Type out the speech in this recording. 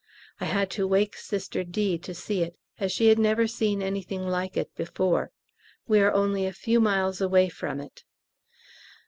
I had to wake Sister D. to see it, as she had never seen anything like it before. We are only a few miles away from it.